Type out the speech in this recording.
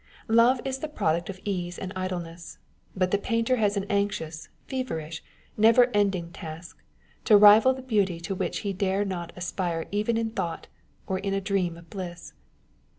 Love is the product of ease and idleness : but the painter has an anxious, feverish, never ending task, to rival the beauty to which he dare not aspire even' in thought, or in a dream of bliss.